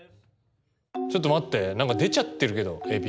ちょっと待って何か出ちゃってるけどエビ？